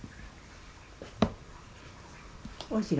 おいしいが？